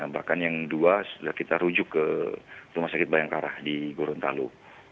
bahkan yang dua sudah kita rujuk ke rumah sakit bayangkarah di gurun talu